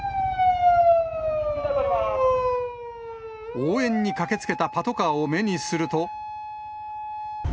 応援に駆けつけたパトカーを目にすると。